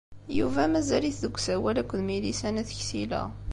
Yuba mazal-it deg usawal akked Milisa n At Ksila.